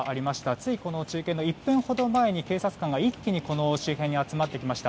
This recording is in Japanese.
ついこの中継の１分ほど前に警察官が一気にこの周辺に集まってきました。